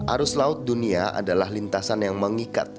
arus laut dunia adalah lintasan yang mengikat